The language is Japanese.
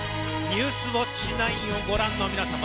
「ニュースウオッチ９」をご覧の皆様